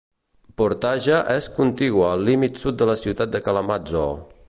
Portage és contigua al límit sud de la ciutat de Kalamazoo.